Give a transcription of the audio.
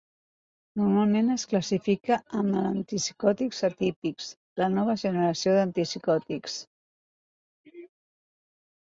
Normalment es classifica amb el antipsicòtics atípics, la nova generació d'antipsicòtics.